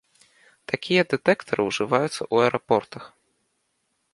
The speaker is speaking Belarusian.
Такія дэтэктары ўжываюцца ў аэрапортах.